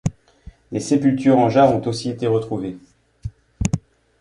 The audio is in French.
Des sépultures en jarre ont aussi été retrouvées.